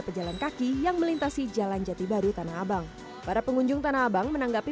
pejalan kaki yang melintasi jalan jati baru tanah abang para pengunjung tanah abang menanggapi